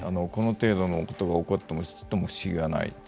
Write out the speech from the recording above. この程度のことが起こってもちっとも不思議はない。